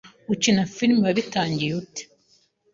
Gukina firime wabitangiye ute